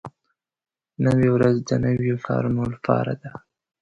نوې ورځ د نویو کارونو لپاره ده